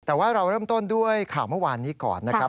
แต่ว่าเราเริ่มต้นด้วยข่าวเมื่อวานนี้ก่อนนะครับ